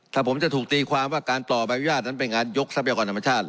ถ้าผมจะถูกตีความว่าการต่อใบอนุญาตนั้นเป็นงานยกทรัพยากรธรรมชาติ